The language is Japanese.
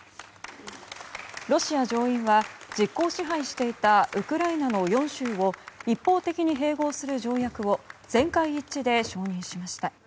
ロシア上院は実効支配していたウクライナの４州を一方的に併合する条約を全会一致で承認しました。